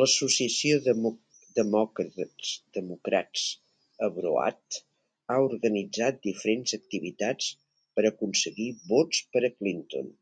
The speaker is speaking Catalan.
L'associació Democrats Abroad ha organitzat diferents activitats per a aconseguir vots per a Clinton.